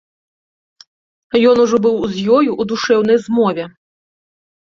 Ён ужо быў з ёю ў душэўнай змове.